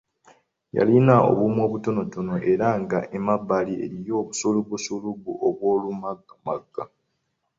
Yalina obumwa butonotono era ng’emabbali eriyo obusulubusulubu obw’olumaggamagga.